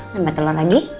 nambah telur lagi